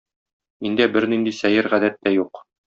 Миндә бернинди сәер гадәт тә юк!